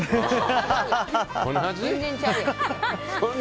全然ちゃうやん。